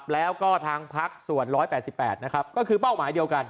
แล้วก็ทางพักส่วน๑๘๘นะครับก็คือเป้าหมายเดียวกัน